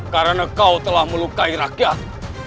karena kau telah melukai rakyat